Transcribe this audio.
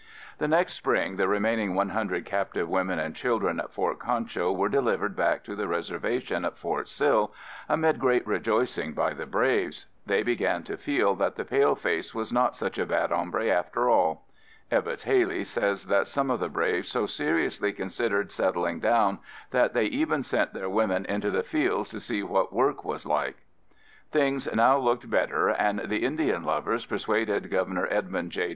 The next spring the remaining one hundred captive women and children at Fort Concho were delivered back to the reservation at Fort Sill amid great rejoicing by the braves. They began to feel that the pale face was not such a bad hombre after all. Evetts Haley says that some of the braves so seriously considered settling down that they even sent their women into the fields to see what work was like. Things now looked better and the Indian lovers persuaded Governor Edmund J.